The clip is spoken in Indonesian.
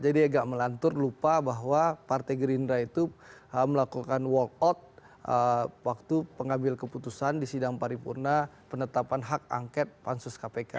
jadi agak melantur lupa bahwa partai gerindra itu melakukan walk out waktu pengambil keputusan di sidang paripurna penetapan hak angket pansus kpk